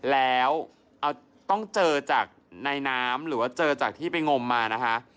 แล้วต้องเจอจากในน้ำหรือว่าเจอจากที่ไปงมมานะคะ